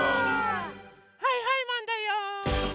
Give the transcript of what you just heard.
はいはいマンだよ！